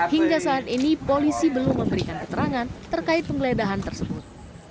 hingga saat ini polisi belum memberikan keterangan terkait penggeledahan tersebut